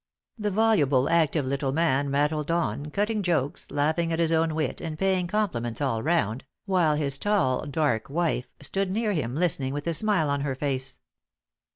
The voluble, active little man rattled on, cutting jokes, laughing at his own wit, and paying compliments all round, while his tall, dark wife stood near him listening with a smile on her face.